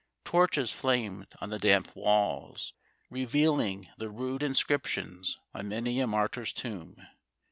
Torches flamed on the damp walls, revealing the rude inscrip tions on many a martyr's tomb.